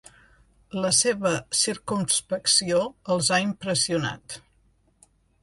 La seva circumspecció els ha impressionat.